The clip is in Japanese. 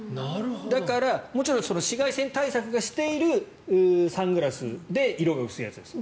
だから、もちろん紫外線対策をしているサングラスで色が薄いやつです。